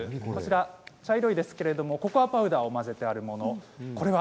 こちらは茶色いですけれどココアパウダーを混ぜてあります。